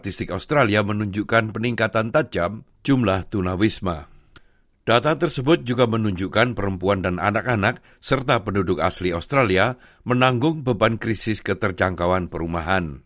sampai jumpa di video selanjutnya